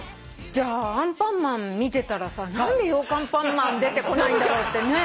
じゃあ『アンパンマン』見てたら何でようかんパンマン出てこないんだろうってね。